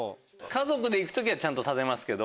家族で行く時はちゃんと立てますけど。